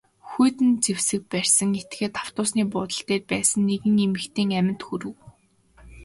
Хүйтэн зэвсэг барьсан этгээд автобусны буудал дээр байсан нэгэн эмэгтэйн аминд хүрэв.